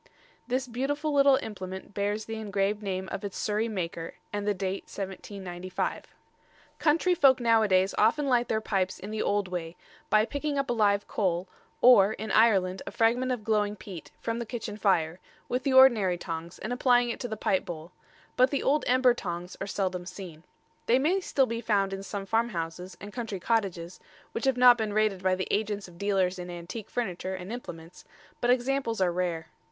This beautiful little implement bears the engraved name of its Surrey maker, and the date 1795. Country folk nowadays often light their pipes in the old way, by picking up a live coal, or, in Ireland, a fragment of glowing peat, from the kitchen fire, with the ordinary tongs, and applying it to the pipe bowl; but the old ember tongs are seldom seen. They may still be found in some farmhouses and country cottages, which have not been raided by the agents of dealers in antique furniture and implements, but examples are rare.